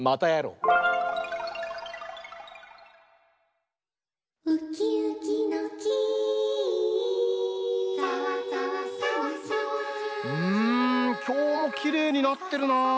うんきょうもきれいになってるなあ。